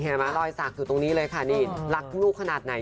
รอยสักอยู่ตรงนี้เลยค่ะนี่รักลูกขนาดไหน